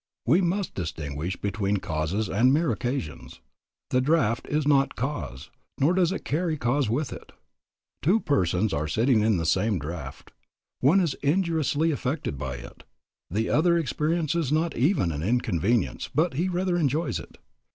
We must distinguish between causes and mere occasions. The draft is not cause, nor does it carry cause with it. Two persons are sitting in the same draft. The one is injuriously affected by it, the other experiences not even an inconvenience, but he rather enjoys it.